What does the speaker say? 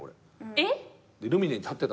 えっ？